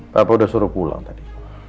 pak pak udah suruh pulang tadi